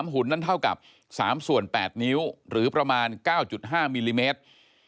หุ่นนั้นเท่ากับ๓ส่วน๘นิ้วหรือประมาณ๙๕มิลลิเมตร